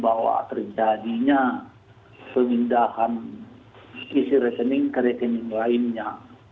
bahwa terjadinya pemindahan isi rekening ke rekening lainnya